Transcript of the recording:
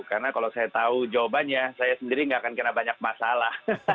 karena kalau saya tahu jawabannya saya sendiri nggak akan kena banyak masalah